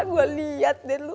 gua liat deh lu